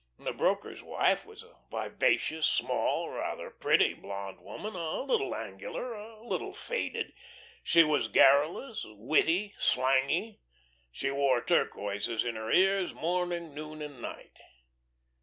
The broker's wife was a vivacious, small, rather pretty blonde woman, a little angular, a little faded. She was garrulous, witty, slangy. She wore turquoises in her ears morning, noon, and night.